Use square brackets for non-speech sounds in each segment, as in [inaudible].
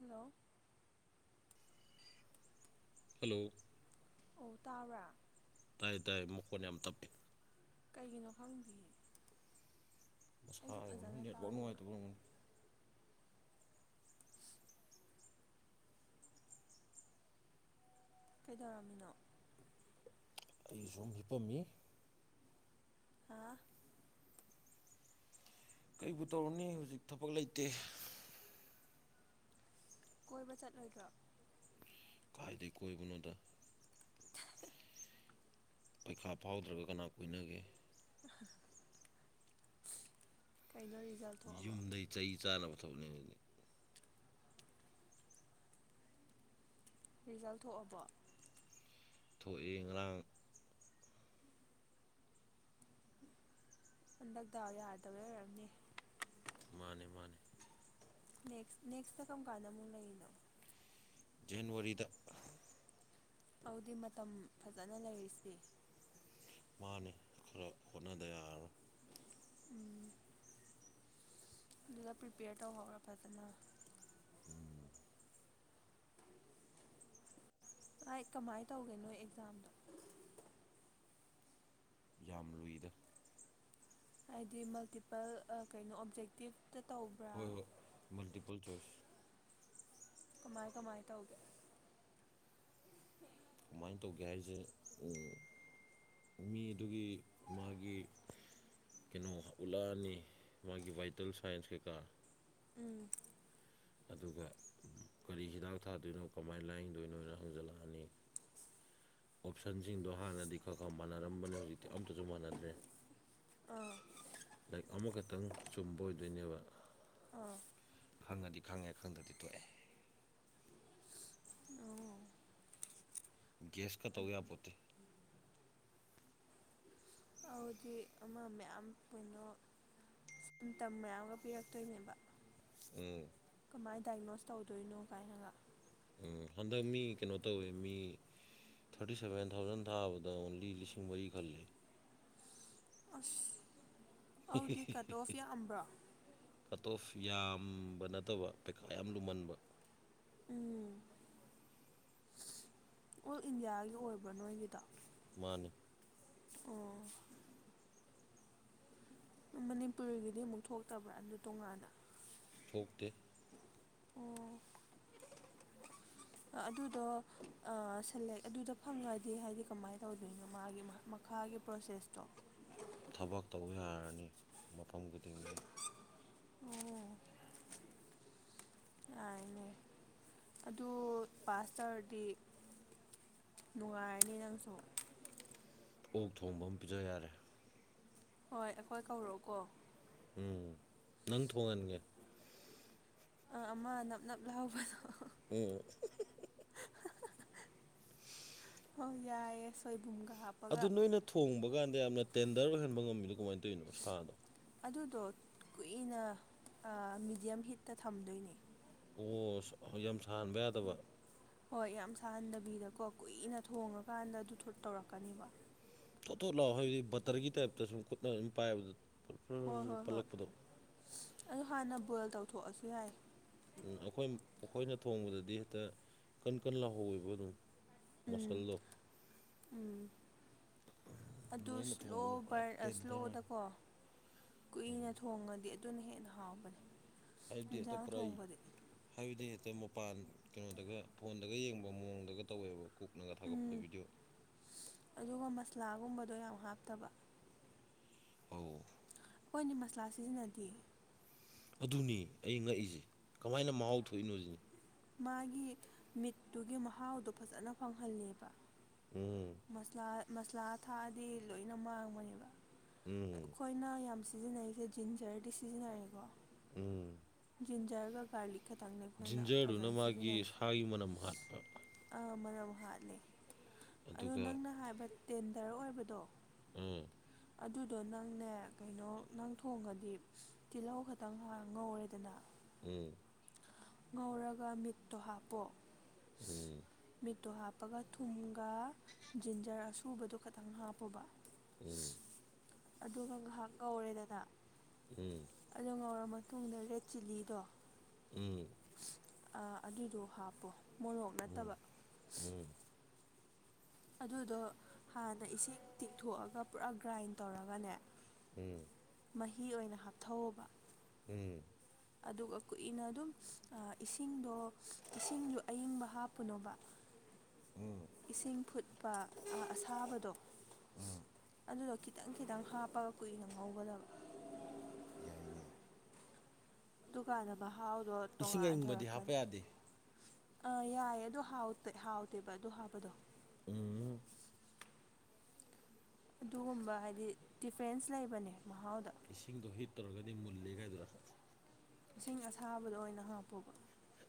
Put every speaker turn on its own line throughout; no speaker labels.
hello
hello
ꯑꯣ ꯇꯥꯕ꯭ꯔꯥ
ꯇꯥꯏ ꯇꯥꯏ ꯃꯈꯣꯟ ꯌꯥꯝ ꯇꯞꯄꯦ
ꯀꯩꯒꯤꯅꯣ ꯈꯪꯗꯤꯌꯦ ꯑꯩꯁꯨ
ꯃꯁꯥꯒꯤ ꯑꯃꯨꯛ
ꯐꯖꯅ
ꯅꯦꯠꯋꯥꯛ
ꯇꯥꯗꯦꯕ
ꯅꯨꯡꯉꯥꯏꯇꯕ ꯑꯣꯏꯔꯝꯒꯅꯤ
ꯀꯩꯗꯧꯔꯝꯃꯤꯅꯣ
ꯑꯩ ꯁꯨꯝ ꯍꯤꯞꯄꯝꯃꯤ
ꯑꯥ
ꯀꯩꯕꯨ ꯇꯧꯔꯨꯅꯤ ꯍꯧꯖꯤꯛ ꯊꯕꯛ ꯂꯩꯇꯦ
ꯀꯣꯏꯕ ꯆꯠꯂꯣꯏꯗ꯭ꯔꯣ
ꯀꯥꯏꯗ ꯀꯣꯏꯕꯅꯣꯗ
[unintelligible]
ꯄꯩꯈꯥ ꯐꯥꯎꯗ꯭ꯔꯒ ꯀꯅꯥ ꯀꯣꯏꯅꯒꯦ
ꯀꯩꯅꯣ ꯔꯤꯖꯜ ꯊꯣꯛꯑꯕꯣ
ꯌꯨꯝꯗꯩ ꯆꯩ ꯆꯥꯅꯕ ꯊꯕꯛꯅꯦꯃꯤ ꯑꯗꯨꯗꯤ
ꯔꯤꯖꯜ ꯊꯣꯛꯑꯕꯣ
ꯊꯣꯛꯑꯦ ꯉꯔꯥꯡ
ꯍꯟꯗꯛ ꯗꯥꯎ ꯌꯥꯗꯕꯩ ꯑꯣꯏꯔꯝꯅꯤ
ꯃꯥꯅꯦ ꯃꯥꯟꯅꯦ
ꯅꯦꯛꯁ ꯅꯦꯛꯁꯅ ꯀꯔꯝ ꯀꯥꯟꯗ ꯑꯃꯨꯛ ꯂꯩꯔꯤꯅꯣ
ꯖꯟꯋꯥꯔꯤꯗ
ꯑꯗꯨꯗꯤ ꯃꯇꯝ ꯐꯖꯅ ꯂꯩꯔꯤꯁꯤꯗꯤ
ꯃꯥꯅꯤ ꯈꯔ ꯍꯣꯠꯅꯗ ꯌꯥꯔꯔꯣꯏ
ꯎꯝ ꯑꯗꯨꯗ ꯄ꯭ꯔꯤꯄꯦꯌꯔ ꯇꯧꯍꯧꯔꫭ ꯐꯖꯅ
ꯎꯝ
ꯑꯩ ꯀꯃꯥꯏꯅ ꯇꯧꯒꯦ ꯅꯣꯏ ꯑꯦꯛꯖꯥꯝꯗꯣ
ꯌꯥꯝ ꯂꯨꯏꯗ
ꯍꯥꯏꯗꯤ ꯃꯜꯇꯤꯄꯜ ꯀꯩꯅꯣ ꯑꯣꯞꯖꯦꯛꯇꯤꯞꯇ ꯇꯧꯕ꯭ꯔꯥ
ꯍꯣꯏ ꯍꯣꯏ ꯃꯜꯇꯤꯄꯜ ꯆꯣꯏꯁ
ꯀꯃꯥꯏ ꯀꯃꯥꯏ ꯇꯧꯒꯦ
ꯅꯪ ꯇꯧꯒꯦ ꯍꯥꯏꯔꯤꯁꯦ ꯃꯤ ꯑꯗꯨꯒꯤ ꯃꯥꯒꯤ ꯀꯩꯅꯣ ꯎꯠꯂꯛꯑꯅꯤ ꯃꯥꯒꯤ ꯕꯥꯏꯇꯦꯜ ꯁꯥꯏꯁ ꯀꯩꯀꯥ
ꯎꯝ
ꯑꯗꯨꯒ ꯎꯝ ꯀꯔꯤ ꯍꯤꯗꯥꯛ ꯊꯥꯗꯣꯏꯅꯣ ꯀꯃꯥꯏ ꯂꯥꯏꯌꯦꯡꯗꯣꯏꯅꯣꯅ ꯍꯪꯖꯜꯂꯛꯑꯅꯤ ꯑꯣꯞꯁꯟꯁꯤꯡꯗꯣ ꯍꯥꯟꯅꯗꯤ ꯈꯔ ꯈꯔ ꯃꯥꯟꯅꯔꯝꯕꯅꯦ ꯍꯧꯖꯤꯛꯇꯤ ꯑꯝꯇꯁꯨ ꯃꯥꯟꯅꯗ꯭ꯔꯦ
ꯑꯥ
ꯂꯥꯏꯛ ꯑꯃꯈꯛꯇꯪ ꯆꯨꯝꯕ ꯑꯣꯏꯗꯣꯏꯅꯦꯕ
ꯑꯥ
ꯈꯪꯉꯗꯤ ꯈꯪꯉꯦ ꯈꯪꯗꯗꯤ ꯇꯣꯛꯑꯦ
ꯑꯣ
ꯀꯦꯁꯀ ꯇꯧ ꯌꯥꯄꯣꯠꯇꯦ
ꯍꯧꯗꯤ ꯑꯃ ꯃꯌꯥꯝ ꯀꯩꯅꯣ ꯁꯤꯝ ꯇꯝ ꯃꯌꯥꯝꯒ ꯄꯤꯔꯛꯇꯣꯏꯅꯦꯕ
ꯎꯝ
ꯀꯃꯥꯏꯅ ꯗꯥꯏꯒꯅꯣꯁ ꯇꯧꯗꯣꯏꯅꯣ ꯀꯥꯏꯅꯒ
ꯍꯟꯗꯛ ꯃꯤ ꯀꯩꯅꯣ ꯇꯧꯋꯦ ꯃꯤ ꯊꯥꯔꯇꯤ ꯁꯕꯦꯟ ꯊꯥꯎꯖꯟ ꯊꯥꯕꯗ ꯑꯣꯡꯂꯤ ꯂꯤꯁꯤꯡ ꯃꯔꯤ ꯈꯜꯂꯦ
ꯑꯁ ꯑꯗꯨꯗꯤ ꯀꯩꯅꫭꯁꯨ ꯌꯥꯝꯕ꯭ꯔꫭ
ꯀꯠ ꯇꫭꯐ ꯌꯥꯝꯕ ꯅꯠꯇꯕ ꯄꯩꯈꯥ ꯌꯥꯝ ꯂꯨꯝꯃꯟꯕ
ꯎꯝ ꯑꯣꯜ ꯏꯟꯗꯤꯌꯥꯒꯤ ꯑꯣꯏꯕ꯭ꯔꯥ ꯅꯣꯏꯒꯤꯗꫭ
ꯃꯥꯅꯤ
ꯑꯣ ꯃꯅꯤꯄꯨꯔꯒꯤꯗꯤ ꯑꯃꯨꯛ ꯊꯣꯛꯇꯕ꯭ꯔꯥ ꯑꯗꯨ ꯇꯣꯡꯉꯥꯟꯅ
ꯊꯣꯛꯇꯦ
ꯑꯣ ꯑꯗꯨꯗꯣ ꯑ ꯁꯂꯦꯛ ꯑꯗꯨꯗ ꯐꯪꯉꯗꯤ ꯍꯥꯏꯗꯤ ꯀꯃꯥꯏꯅ ꯇꯧꯗꯣꯏꯅꯣ ꯃꯥꯒꯤ ꯃꯍꯛ ꯃꯍ ꯈꯥꯒꯤ ꯄ꯭ꯔꯣꯁꯦꯁꯇꯣ
ꯊꯕꯛ ꯇꯧꯕ ꯌꯥꯔꯅꯤ ꯃꯐꯝ ꯈꯨꯗꯤꯡꯒꯤ
ꯑꯣ ꯌꯥꯔꯅꯦ ꯑꯗꯨ ꯄꯥꯁꯇꯧꯔꯗꯤ ꯅꯨꯡꯉꯥꯏꯔꯅꯤ ꯅꯪꯁꯨ
ꯑꯣꯛ ꯊꯣꯡꯕ ꯑꯃ ꯄꯤꯖ ꯌꯥꯔꯦ
ꯍꯣꯏ ꯑꯩꯈꯣꯏ ꯀꯧꯔꯛꯑꯣꯀꯣ
ꯎꯝ ꯅꯪ ꯊꫭꯡꯍꯟꯒꯦ
ꯑ ꯑꯃ ꯅꯞ ꯅꯞ ꯂꯥꯎꯕꯗꯣ
ꯎꯝ
[unintelligible] ꯑꯣ ꯌꯥꯏꯌꯦ ꯁꯣꯏꯕꯨꯝꯒ ꯍꯥꯞꯄꯒ
ꯑꯗꯨ ꯅꯣꯏꯅ ꯊꯣꯡꯕ ꯀꯥꯟꯗ ꯌꯥꯝꯅ ꯇꯦꯟꯗꯔ ꯑꯣꯏꯍꯟꯕ ꯉꯝꯃꯤꯗꯣ ꯀꯃꯥꯏꯅ ꯇꯧꯔꯤꯅꯣ ꯁꯥꯗꯣ
ꯑꯗꯨꯗꯣ ꯀꯨꯏꯅ ꯃꯤꯗꯤꯌꯝ ꯍꯤꯠꯇ ꯊꯝꯗꯣꯏꯅꯤ
ꯑꯣ ꯌꯥꯝ ꯁꯥꯍꯟꯕ ꯌꯥꯗꯕ
ꯍꯣꯏ ꯌꯥꯝ ꯁꯥꯍꯟꯗꯕꯤꯗꯀꯣ ꯀꯨꯏꯅ ꯊꯣꯡꯉꯀꯥꯟꯗ ꯑꯗꯨ ꯇꯧꯔꯛꯀꯅꯦꯕ
ꯊꯣꯠ ꯊꯣꯠ ꯂꯥꯛꯑꯣ ꯍꯥꯏꯕꯗꯤ ꯕꯇꯔꯒꯤ ꯇꯥꯏꯞꯇ ꯁꯨꯝ ꯈꯨꯠꯅ ꯑꯗꯨꯝ ꯄꯥꯏꯕꯗ
ꯍꯣꯏ
ꯐꯔꯔ
ꯍꯣꯏ ꯍꯣꯏ
ꯄꯜꯂꯛꯄꯗꯣ
ꯑꯗꯨ ꯍꯥꯟꯅ ꯕꯣꯏꯜ ꯇꯧꯊꯣꯛꯑꯁꯨ ꯌꯥꯏ
ꯎꯝ ꯑꯩꯈꯣꯏ ꯑꯩꯈꯣꯏꯅ ꯊꯣꯡꯕꯗꯗꯤ ꯍꯦꯛꯇ ꯀꯟ ꯀꯟꯅ ꯂꯧꯍꯧꯋꯦꯕ ꯑꯗꯨꯝ
ꯎꯝ
ꯃꯁꯜꯂꯣ
ꯎꯝ ꯑꯗꯨ ꯏꯁ꯭ꯂꯣ
ꯄꯨꯔꯥ
ꯕꯔ
ꯇꯦꯟꯗꯔ ꯑꯣꯏ
ꯏꯁ꯭ꯂꯣꯗꯀꯣ ꯀꯨꯏꯅ ꯊꯣꯡꯉꯗꯤ ꯑꯗꯨꯅ ꯍꯦꯟꯅ ꯍꯥꯎꯕꯅꯤ
ꯍꯥꯏꯕꯗꯤ ꯍꯦꯛꯇ
ꯌꯦꯟꯁꯥꯡ
ꯄꯨꯔꯥ
ꯊꯣꯡꯕꯗꯤ
ꯍꯥꯏꯕꯗꯤ ꯍꯦꯛꯇ ꯃꯄꯥꯟ ꯀꯩꯅꯣꯗꯒ ꯐꯣꯟꯗꯒ ꯌꯦꯡꯕ ꯃꯑꯣꯡꯗꯒ ꯇꯧꯋꯦꯕ ꯀꯨꯛꯅꯒ ꯊꯥꯒꯠꯄꯗ
ꯎꯝ
ꯚꯤꯗꯤꯑꯣ
ꯑꯗꯨꯒ ꯃꯁꯂꯥꯒꯨꯝꯕꯗꯣ ꯌꯥꯝ ꯍꯥꯞꯇꯕ
ꯑꯧ
ꯑꯩꯈꯣꯏꯅꯤ ꯃꯁꯂꯥ ꯁꯤꯖꯟꯅꯗꯦ
ꯑꯗꯨꯅꯤ ꯑꯩ ꯉꯛꯏꯁꯦ ꯀꯃꯥꯏꯅ ꯃꯍꯥꯎ ꯊꯣꯛꯏꯅꯣ ꯁꯤꯅꯤ
ꯃꯥꯒꯤ ꯃꯤꯠꯇꯨꯒꯤ ꯃꯍꯥꯎꯗꯣ ꯐꯖꯅ ꯐꯪꯍꯜꯂꯦꯕ
ꯎꯝ
ꯃꯁꯂꯥ ꯃꯁꯂꯥ ꯊꯥꯛꯑꯗꯤ ꯂꯣꯏꯅ ꯃꯥꯡꯕꯅꯦꯕ
ꯎꯝ
ꯑꯩꯈꯣꯏꯅ ꯌꯥꯝ ꯁꯤꯖꯤꯟꯅꯔꯤꯁꯦ ꯖꯤꯟꯖꯔꯗꯤ ꯁꯤꯖꯤꯟꯅꯔꯦꯀꯣ
ꯎꯝ
ꯖꯤꯟꯖꯔꯒꯔ ꯀꯥꯂꯤ
ꯖꯤꯟꯖꯔꯗꯨꯅ ꯃꯥꯒꯤ ꯁꯥꯒꯤ ꯃꯅꯝ ꯍꯥꯠꯄ
ꯑꯥ ꯃꯅꯝ ꯍꯥꯠꯂ ꯑꯗꯣ
ꯑꯗꯨꯒ
ꯅꯪꯅ ꯍꯥꯏꯕ ꯇꯦꯟꯗꯔ ꯑꯣꯏꯕꯗꯣ
ꯎꯝ
ꯑꯗꯨꯗꯣ ꯅꯪꯅꯦ ꯀꯩꯅꯣ ꯅꯪ ꯊꯣꯡꯉꯗꯤ ꯇꯤꯜꯍꯧ ꯈꯛꯇꯪ ꯉꯧꯔꯦꯗꯅ
ꯎꯝ
ꯉꯧꯔꯒ ꯃꯤꯠꯇꯣ ꯍꯥꯞꯄꯣ
ꯎꯝ
ꯃꯤꯠꯇꯣ ꯍꯥꯞꯄꯒ ꯊꯨꯝꯒ ꯖꯤꯟꯖꯔ ꯑꯁꯨꯕꯗꯣ ꯈꯇꯪ ꯍꯥꯞꯄꯨꯕ
ꯎꯝ
ꯑꯗꯨꯒ ꯉꯥꯏꯍꯥꯛ ꯉꯧꯔꯦꯗꯅ
ꯎꯝ
ꯑꯣ ꯉꯧꯔꯕ ꯃꯇꯨꯡꯗ ꯔꯦꯠ ꯆꯤꯜꯂꯤꯗꯣ
ꯎꯝ
ꯑꯗꯨꯗꯣ ꯍꯥꯞꯄꯣ ꯃꯣꯔꯣꯛ ꯅꯠꯇꯕ
ꯎꯝ
ꯑꯗꯨꯗꯣ ꯍꯥꯟꯅ ꯏꯁꯤꯡ ꯇꯤꯡꯊꯣꯛꯑꯒ ꯄꯨꯔꯥ ꯒ꯭ꯔꯥꯏꯟ ꯇꯧꯔꯒꯅꯦ
ꯎꯝ
ꯃꯍꯤ ꯑꯣꯏꯅ ꯍꯥꯞꯊꯧꯕ
ꯎꯝ
ꯑꯗꯨꯒ ꯀꯨꯏꯅ ꯑꯗꯨꯝ ꯏꯁꯤꯡꯗꯣ ꯏꯁꯤꯡꯗꯣ ꯑꯏꯪꯕ ꯍꯥꯞꯄꯨꯅꯣꯕ
ꯎꯝ
ꯏꯁꯤꯡ ꯐꯨꯠꯄ ꯑꯁꯥꯕꯗꯣ
ꯎꯝ
ꯑꯗꯨꯗꯣ ꯈꯤꯇꯪ ꯈꯤꯇꯪ ꯍꯥꯞꯄꯒ ꯀꯨꯏꯅ ꯉꯧꯒꯗꯕ ꯎꯝ
ꯌꯥꯏꯅꯦ
ꯗꯨꯀꯥꯟꯗ ꯃꯍꯥꯎꯗꯣ
ꯏꯁꯤꯡ ꯑꯏꯪꯕꯗꯤ ꯍꯥꯞꯄ
ꯇꯣꯉꯥꯟꯊꯣꯔꯛꯀꯅꯤ
ꯌꯥꯗꯦ
ꯑꯥ ꯌꯥꯏꯌꯦ ꯑꯗꯨ ꯍꯥꯎꯗꯦꯕ ꯑꯗꯨ ꯍꯕꯗꯣ
ꯎꯝ
ꯑꯗꯨꯒꯨꯝꯕ ꯍꯥꯏꯗꯤ ꯗꯤꯐ꯭ꯔꯦꯟꯁ ꯂꯩꯕꯅꯦ ꯃꯍꯥꯎꯗ
ꯏꯁꯤꯡꯗꯣ ꯍꯤꯠ ꯇꯧꯔꯒꯗꯤ ꯃꯨꯜꯂꯦꯒꯥꯏꯗꯨꯔ
ꯏꯁꯤꯡ ꯑꯁꯥꯕꯗ ꯑꯣꯏꯅ ꯍꯥꯞꯄꯣꯕ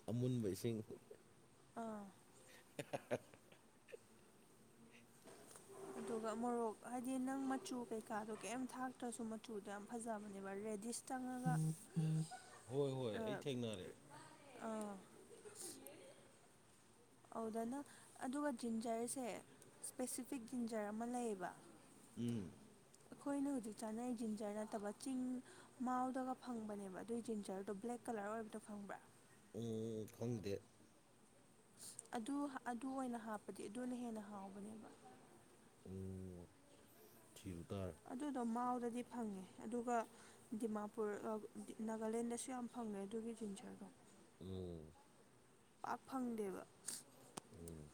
ꯑꯃꯨꯟꯕ ꯏꯁꯤꯡ
ꯑꯥ
[inaudible]
[inaudible] ꯑꯗꯨꯒ ꯃꯣꯔꯣꯛ ꯍꯥꯏꯗꯤ ꯅꯪ ꯃꯆꯨ ꯀꯩꯀꯥꯗꯣ ꯀꯔꯤꯝ ꯊꯥꯛꯇ꯭ꯔꯁꯨ ꯃꯆꯨꯗꯣ ꯌꯥꯝ ꯐꯖꯕꯅꯦꯕ ꯔꯦꯗꯤꯁ ꯆꯉꯒ
ꯍꯣꯏ ꯍꯣꯏ ꯑꯩ ꯊꯦꯡꯅꯔꯦ
ꯑꯧꯗꯅ ꯑꯗꯨꯒ ꯖꯤꯟꯖꯔꯁꯦ ꯁ꯭ꯄꯦꯁꯤꯐꯤꯛ ꯖꯤꯟꯖꯔ ꯑꯃ ꯂꯩꯌꯦꯕ
ꯎꯝ
ꯑꯩꯈꯣꯏꯅ ꯍꯧꯖꯤꯛ ꯆꯠꯅꯩ ꯖꯤꯟꯖꯔ ꯅꯠꯇꯕ ꯆꯤꯡ ꯃꯥꯎꯗꯒ ꯐꯪꯕꯅꯦꯕ ꯑꯗꯨꯏ ꯖꯤꯟꯁꯔꯗꯣ ꯕ꯭ꯂꯦꯛ ꯀꯂꯔ ꯑꯣꯏꯕꯗꯣ ꯐꯪꯕ꯭ꯔꯥ
ꯎꯝ ꯐꯪꯗꯦ
ꯑꯗꯨ ꯑꯗꯨ ꯑꯣꯏꯅ ꯍꯥꯞꯄꯗꯤ ꯑꯗꯨꯅ ꯍꯦꯟꯅ ꯍꯥꯎꯕꯅꯦꯕ
ꯎꯝ ꯊꯕꯨ ꯇꯔ
ꯑꯗꯨꯗꯣ ꯃꯥꯎꯗꯗꯤ ꯐꯪꯉꯦ ꯑꯗꯨꯒ ꯗꯤꯃꯥꯄꯨꯔ ꯅꯥꯒꯥꯂꯦꯟꯗꯁꯨ ꯌꯥꯝ ꯐꯪꯉꯦ ꯑꯗꯨꯒꯤ ꯖꯤꯟꯁꯔꯗꯣ
ꯎꯝ
ꯄꯥꯛ ꯐꯪꯗꯦꯕ
ꯎꯝ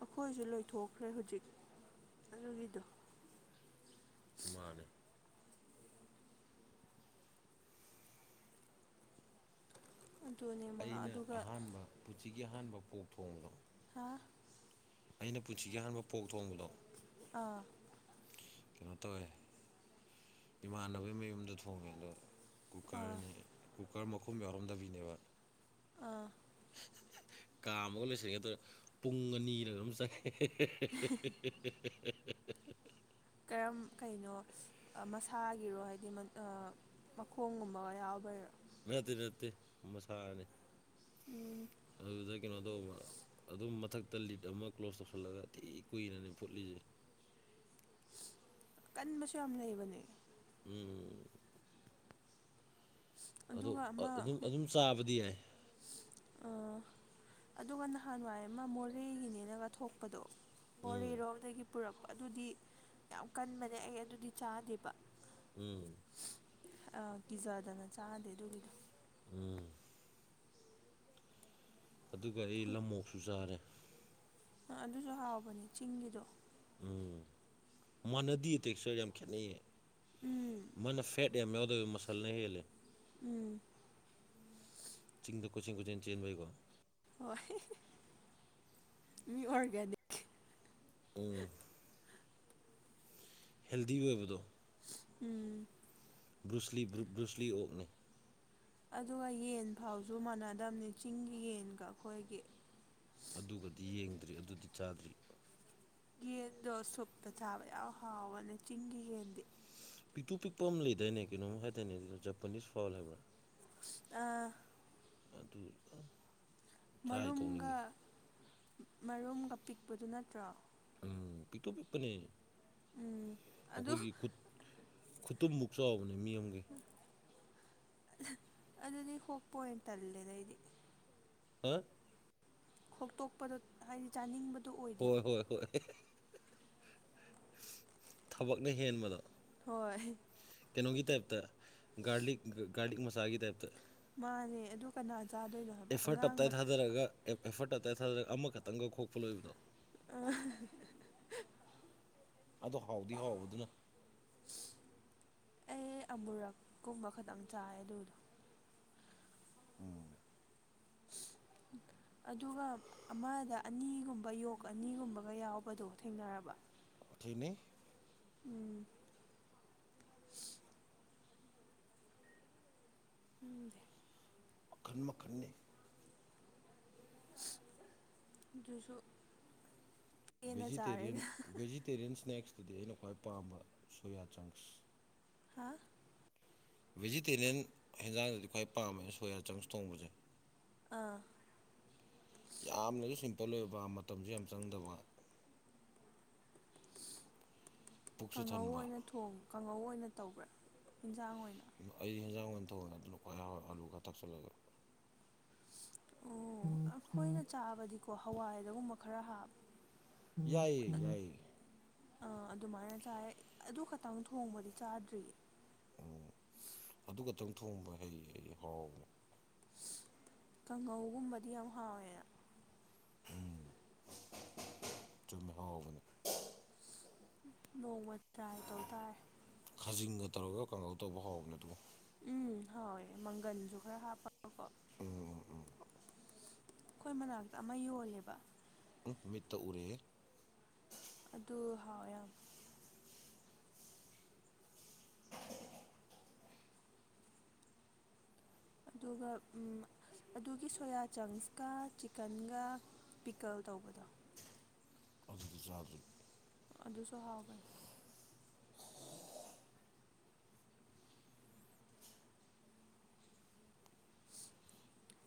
ꯑꯩꯈꯣꯏꯁꯨ ꯂꯣꯏꯊꯣꯛꯈ꯭ꯔꯦ ꯍꯧꯖꯤꯛ ꯑꯗꯨꯒꯤꯗꯣ
ꯃꯥꯅꯦ
ꯑꯗꯨꯅꯦ ꯃꯥ
ꯑꯩꯅ
ꯑꯗꯨꯒ
ꯑꯍꯥꯟꯕ ꯄꯨꯟꯁꯤꯒꯤ ꯑꯍꯥꯟꯕ ꯄꯣꯛ ꯊꯣꯡꯕꯗꯣ
ꯍꯥꯥ
ꯑꯩꯅ ꯄꯨꯟꯁꯤꯒꯦ ꯍꯥꯟꯕ ꯄꯣꯛ ꯊꯣꯡꯕꯗꯣ
ꯑꯥ
ꯀꯩꯅꯣ ꯇꯧꯋꯦ ꯏꯃꯥꯟꯅꯕꯒꯤ ꯃꯌꯨꯝꯗ ꯊꯣꯡꯉꯦ ꯑꯗꯣ
ꯑꯥ
ꯀꯨꯀꯔꯅꯦ ꯀꯨꯀꯔ ꯃꯈꯨꯝ ꯌꯥꯎꯔꯝꯗꯕꯤꯅꯦꯕ
ꯑꯥ
ꯀꯥ ꯑꯃꯒ ꯂꯣꯏꯁꯤꯜꯂꯤꯉꯦ ꯑꯗꯨ ꯄꯨꯡ ꯑꯅꯤ ꯂꯩꯝ ꯆꯪꯉꯦ ꯎ
ꯀꯔꯝ ꯀꯩꯅꯣ ꯃꯁꯥꯒꯤꯔꯣ ꯍꯥꯏꯗꯤ ꯃꯈꯣꯡꯒꯨꯝꯕꯒ ꯌꯥꯎꯕ
ꯃꯇ ꯔꯦꯇ ꯃꯁꯥꯅꯤ ꯑꯗꯨꯗ ꯀꯩꯅꯣꯗꯣ ꯑꯗꯨꯝ ꯃꯊꯛ ꯇ ꯂꯤꯠ ꯑꯃ ꯀ꯭ꯂꯣꯖ ꯇꯧꯁꯜꯂꯒꯇꯤ ꯀꯨꯏꯔꯅꯦ ꯐꯨꯠꯂꯤꯁꯦ
ꯀꯟꯕꯁꯨ ꯌꯥꯝ ꯂꯩꯕꯅꯦ
ꯎꯝ ꯑꯗꯣ
ꯑꯗꯨꯒ
ꯑꯗꯨꯝ ꯑꯗꯨꯝ ꯆꯥꯕꯗꯤ ꯌꯥꯏ
ꯑ ꯑꯗꯨꯒ ꯅꯍꯥꯟꯋꯥꯏ ꯑꯃ ꯃꯣꯔꯦꯒꯤꯅꯦꯅꯒ ꯊꯣꯛꯄꯗꯣ
ꯎꯝ
ꯃꯣꯔꯦꯔꯣ ꯑꯗꯒꯤ ꯄꯨꯔꯛꯄ ꯑꯗꯨꯗꯤ ꯌꯥꯝ ꯀꯟꯕꯅꯦ ꯑꯩ ꯑꯗꯨꯗꯤ ꯆꯥꯗꯦꯕ
ꯎꯝ
ꯑ ꯀꯤꯖꯗꯅ ꯆꯥꯗꯦ ꯑꯗꯨꯒꯤꯗꯤ
ꯎꯝ ꯑꯗꯨꯒ ꯑꯩ ꯂꯃꯣꯛꯁꯨ ꯆꯥꯔꯦ
ꯑꯗꯨꯁꯨ ꯍꯥꯎꯕꯅꯦ ꯆꯤꯡꯒꯤꯗꯣ
ꯎꯝ ꯃꯥꯟꯅꯗ ꯇꯦꯛꯆꯔ ꯌꯥꯝ ꯈꯦꯠꯅꯩꯌꯦ
ꯎꯝ
ꯃꯥꯅ ꯐꯦꯠ ꯌꯥꯝ ꯌꯥꯎꯗꯣꯏꯕ ꯃꯁꯜꯅ ꯍꯦꯜꯂꯦ
ꯎꯝ
ꯆꯤꯡꯗ ꯀꯣꯏꯆꯤꯟ ꯀꯣꯏꯆꯤꯟ ꯆꯦꯟꯕꯩꯀꯣ
ꯍꯣꯏ ꯃꯤ ꯑꯣꯔꯒꯅꯤ
ꯎ ꯍꯦꯜꯗꯤ ꯑꯣꯏꯕꯗꯣ
ꯎꯝ
ꯕ꯭ꯔꯨꯁꯂꯤ ꯕ꯭ꯔꯨꯁꯂꯤ ꯑꯣꯛꯅꯦ
ꯑꯗꯨꯒ ꯌꯦꯟ ꯐꯥꯎꯁꯨ ꯃꯥꯟꯅꯗꯝꯅꯤ ꯆꯤꯡꯒꯤ ꯌꯦꯟꯒ ꯑꯩꯈꯣꯏꯒꯤ
ꯑꯗꯨꯒꯗꯤ ꯌꯦꯡꯗ꯭ꯔꯤ ꯑꯗꯨꯗꯤ ꯆꯥꯗ꯭ꯔꯤ
ꯌꯦꯟꯗꯣ ꯁꯨꯞꯇ ꯆꯥꯕ ꯌꯥꯝ ꯍꯥꯎꯕꯅꯦ ꯆꯤꯡꯒꯤ ꯌꯦꯟꯗꯤ
ꯄꯤꯛꯇꯨ ꯄꯤꯛꯄ ꯑꯃ ꯂꯩꯗꯥꯏꯅꯦ ꯀꯩꯅꯣꯝ ꯍꯥꯏꯇꯥꯅꯦ ꯑꯗꯨꯗꯣ ꯖꯄꯅꯤꯁ ꯐꯥꯎꯜ ꯍꯥꯏꯕ꯭ꯔꯥ
ꯑ
ꯇꯨ ꯑꯥ
ꯃꯔꯨꯝꯒ ꯃꯔꯨꯝꯒ ꯄꯤꯛꯄꯗꯨ ꯅꯠꯇ꯭ꯔꯣ
ꯎꯝ ꯄꯤꯇꯣ ꯄꯤꯄꯅꯦ
ꯎꯝ ꯑꯗꯨ
ꯑꯩꯈꯣꯏꯒꯤ ꯈꯨꯠ ꯈꯨꯇꯨꯝꯃꯕꯨꯛ ꯆꯥꯎꯕꯅꯦ ꯃꯤ ꯑꯃꯒꯤ
ꯑꯗꯨꯗꯤ ꯍꯣꯛꯄꯣꯏꯟ ꯇꯜꯂꯦꯗꯩꯗꯤ
ꯎ [unintelligible]
ꯈꯣꯛꯇꯣꯛꯄꯗꯣ ꯍꯥꯏꯗꯤ ꯆꯥꯅꯤꯡꯕꯗꯣ ꯑꯣꯏꯗꯦꯕ
ꯍ ꯍꯣꯏ ꯊꯕꯛꯅ ꯍꯦꯟꯕꯗ
ꯍꯣꯏ
ꯀꯩꯅꯣꯒꯤ ꯇꯥꯏꯞꯇ ꯒꯥꯔꯂꯤꯛ ꯒꯥꯔꯂꯤꯛ ꯃꯁꯥꯒꯤ ꯇꯥꯏꯞꯇ
ꯃꯥꯅꯦ ꯑꯗꯨ ꯀꯅꯥ ꯆꯥꯗꯣꯏꯅꯣ ꯍꯥꯏꯕ
ꯑꯦꯐꯔꯠ
ꯑꯉꯥꯡ
ꯇꯞꯇꯥꯏ
ꯃꯆꯥ
ꯊꯥꯗꯔꯒ ꯑꯦ ꯑꯦꯐꯔꯠ ꯇꯞꯇꯥꯏ ꯊꯥꯗꯔ ꯑꯃꯈꯛꯇꯪꯒ ꯈꯣꯛꯄ ꯂꯣꯏꯕꯗꯣ
ꯑ ꯍꯥ ꯍꯥ
ꯑꯗꯣ ꯍꯥꯎꯗꯤ ꯍꯥꯎꯕꯗꯨꯅ
ꯑꯩ ꯑꯃꯨꯔꯛꯀꯨꯝꯕ ꯈꯇꯪ ꯆꯥꯏ ꯑꯗꯨꯗꯣ
ꯎꯝ
ꯎꯝ ꯑꯗꯨꯒ ꯑꯃꯗ ꯑꯅꯤꯒꯨꯝꯕ ꯌꯣꯛ ꯑꯅꯤꯒꯨꯝꯕꯒ ꯌꯥꯎꯕꯗꯣ ꯊꯦꯡꯅꯔꯕ
ꯊꯦꯡꯅꯩ
ꯎꯝ ꯎꯝ ꯗꯦ
ꯃꯈꯟ ꯃꯈꯟꯅꯦ
ꯑꯗꯨꯁꯨ ꯍꯦꯟꯅ ꯆꯥꯔꯦꯅꯦ
ꯇꯦꯔꯤꯌꯟ ꯁ꯭ꯅꯦꯛꯁꯇꯗꯤ ꯑꯩꯅ꯭ꯈꯋꯥꯏ ꯄꯥꯝꯕ ꯁꯣꯌꯥ ꯆꯪꯁ
ꯍꯥꯥ
ꯚꯤꯖꯤꯇꯦꯔꯤꯌꯟ ꯍꯦꯟꯖꯥꯡꯗꯗꯤ ꯈ꯭ꯋꯥꯏ ꯄꯥꯝꯃ ꯁꯣꯌꯥ ꯆꯪꯁ ꯊꯣꯡꯕꯁꯦ
ꯑꯥ
ꯌꯥꯝꯅꯁꯨ ꯁꯤꯝꯄꯜ ꯑꯣꯏꯕ ꯃꯇꯝꯁꯨ ꯌꯥꯝ ꯆꯪꯗꯕ ꯄꯨꯛꯁꯨ
ꯀꯥꯡꯉꯧ
ꯊꯟꯕ
ꯑꯣꯏꯅ ꯊꯣꯡ ꯀꯥꯡꯉꯧ ꯑꯣꯏꯅ ꯇꯧꯕ꯭ꯔꯥ ꯏꯟꯁꯥꯡ ꯑꯣꯏꯅ
ꯑꯩ ꯍꯦꯟꯖꯥꯡ ꯑꯣꯏꯅ ꯊꯣꯡꯉꯦ ꯑꯗꯨꯅ ꯈꯋ꯭ꯥꯏ ꯍꯥꯎꯔꯦ ꯑꯥꯂꯨ ꯈꯔꯥ ꯊꯥꯛꯆꯜꯂꯒ
ꯑꯣ ꯑꯩꯈꯣꯏꯅ ꯆꯥꯕꯗꯤꯀꯣ ꯍꯋꯥꯏꯗꯒꯨꯝꯕ ꯈꯔ ꯍꯥꯞ
ꯌꯥꯏꯌꯦ ꯌꯥꯏꯌꯦ
ꯑꯗꯨꯃꯥꯏꯅ ꯆꯥꯏ ꯑꯗꯨ ꯈꯛꯇꯪ ꯊꯣꯡꯕꯗꯤ ꯆꯥꯗ꯭ꯔꯤꯌꯦ
ꯑꯗꯨ ꯈꯛꯇꯪ ꯊꯣꯡꯕ ꯍꯩ ꯑꯩ ꯍꯥꯎꯕꯅꯤ
ꯀꯥꯡꯉꯧꯒꯨꯝꯕꯗꯤ ꯌꯥꯝ ꯍꯥꯎꯋꯦ
ꯎꯝ ꯆꯨꯝꯃꯦ ꯍꯥꯎꯕꯅꯦ
ꯅꯣꯡꯃ ꯇ꯭ꯔꯥꯏ ꯇꯧ ꯇꯥꯔꯦ
ꯈꯥꯖꯤꯡꯒ ꯇꯧꯔꯒ ꯀꯥꯡꯉꯧ ꯇꯧꯕ ꯍꯥꯎꯕꯅꯦ ꯑꯗꯨ
ꯎꯝ ꯍꯥꯎꯑꯦ ꯃꯪꯒꯟꯁꯨ ꯈꯔ ꯍꯥꯞꯄꯒꯀꯣ
ꯎꯝ ꯎꯝ ꯎꯝ
ꯑꯩꯈꯣꯏ ꯃꯅꯥꯛꯇ ꯑꯃ ꯌꯣꯜꯂꯦꯕ
ꯎ ꯃꯤꯠꯇ ꯎꯔꯦꯍꯦ
ꯑꯗꯨ ꯍꯥꯎꯋꯦ ꯌꯥꯝ ꯑꯗꯨꯒ ꯑꯗꯨꯒꯤ ꯁꯣꯌꯥ ꯆꯪꯁꯀ ꯆꯤꯛꯀꯟꯒ ꯄꯤꯛꯀꯜ ꯇꯧꯕꯗꯣ
ꯑꯗꯨꯗꯤ ꯆꯥꯗ꯭ꯔꯤ
ꯑꯗꯨꯁꯨ ꯍꯥꯎꯒꯅꯤ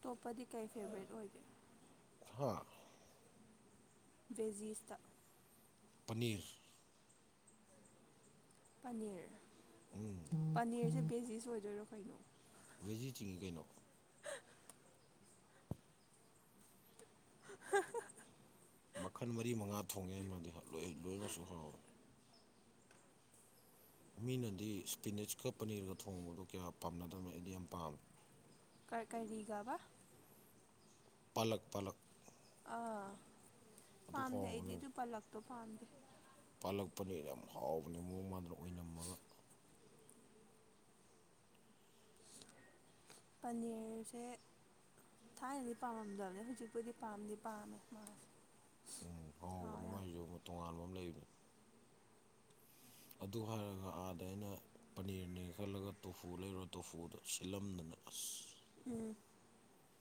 ꯇꯣꯞꯄꯗꯤ ꯀꯩ ꯐꯦꯕꯔꯦꯠ ꯑꯣꯏꯒꯦ
ꯍꯥ
ꯕꯦꯖꯤꯤꯁꯇ
ꯄꯅꯤꯔ
ꯄꯅꯤꯔ ꯄꯅꯤꯔꯁꯦ ꯕꯦꯖꯤꯁ ꯑꯣꯏꯗꯣꯏꯔꯣ ꯀꯩꯅꯣ
ꯕꯦꯖꯤꯇꯔꯤꯅꯤ ꯀꯩꯅꯣ
ꯍꯥ ꯍꯥ
ꯃꯈꯟ ꯃꯔꯤ ꯃꯉꯥ ꯊꯣꯡ ꯌꯥꯏ ꯃꯥꯗꯤ ꯂꯣꯏ ꯂꯣꯏꯅꯃꯛꯁꯨ ꯍꯥꯎꯋꯤ ꯃꯤꯅꯗꯤ ꯁ꯭ꯄꯤꯅꯤꯆꯀ ꯄꯅꯤꯔꯒ ꯊꯣꯡꯕꯗꯣ ꯀꯌꯥ ꯄꯥꯝꯅꯗꯕꯅꯦ ꯑꯩꯗꯤ ꯌꯥꯝ ꯄꯥꯝꯃꯦ
ꯀꯔꯤꯒꯕ
ꯄꯂꯛ ꯄꯂꯛ
ꯑꯥ
ꯑꯗꯨ
ꯄꯥꯝꯗꯦ ꯑꯩꯗꯤ
ꯍꯥꯎꯕꯅꯦ
ꯑꯗꯨ ꯄꯜꯂꯛꯇꯣ ꯄꯥꯝꯗꯦ
ꯄꯥꯜꯂꯛꯄꯅꯤ ꯌꯥꯝ ꯍꯥꯎꯕꯅꯦ ꯃꯑꯣꯡ ꯃꯗ
ꯄꯅꯤꯔꯁꯦ ꯊꯥꯏꯅꯗꯤ ꯄꯥꯝꯃꯝꯗꯕꯅꯦ ꯍꯧꯖꯤꯛꯄꯨꯗꯤ ꯄꯥꯝꯗꯤ ꯄꯥꯝꯃꯦ ꯃꯥ
ꯑꯥꯎ ꯅꯨꯡꯉꯥꯏꯖꯧꯕ ꯇꯣꯉꯥꯟꯕ ꯑꯃ ꯂꯩꯕꯅꯤ ꯑꯗꯨ ꯍꯥꯏꯔꯒ ꯑꯥꯗ ꯑꯩꯅ ꯄꯅꯤꯔꯅꯦ ꯈꯜꯂꯒ ꯇꯣꯐꯨ ꯂꯩꯔꯨꯔ ꯇꯣꯐꯨꯗ ꯁꯤꯜꯂꯝꯗꯅ ꯑꯁ
ꯎꯝ